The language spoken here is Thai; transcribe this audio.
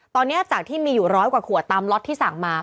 ตอนนี้จากที่มีอยู่ร้อยกว่าขวดตามล็อตที่สั่งมา